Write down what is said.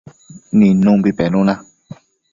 nidnumbi penuna